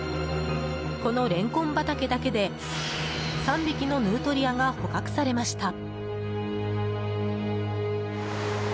このレンコン畑だけで３匹のヌートリアが捕獲されました。